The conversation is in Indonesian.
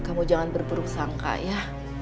kamu jangan berpuruk sangka ya